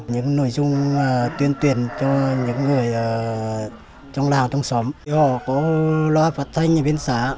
những nội dung tuyên tuyển cho những người trong làng trong xóm họ có loạt phát thanh ở bên xã